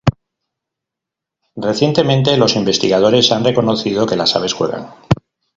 Recientemente, los investigadores han reconocido que las aves juegan.